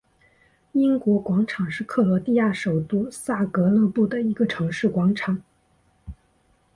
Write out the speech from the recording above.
英国广场是克罗地亚首都萨格勒布的一个城市广场。